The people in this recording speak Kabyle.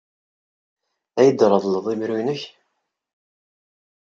Ad iyi-d-treḍled imru-nnek?